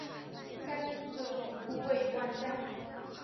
该组织的总部位于万象。